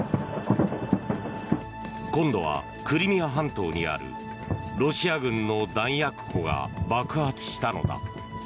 今度はクリミア半島にあるロシア軍の弾薬庫が爆発したのだ。